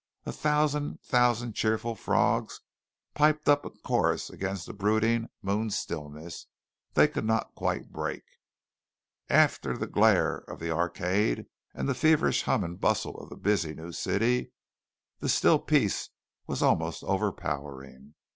A thousand thousand cheerful frogs piped up a chorus against the brooding moon stillness they could not quite break. After the glare of the Arcade and the feverish hum and bustle of the busy new city, this still peace was almost overpowering.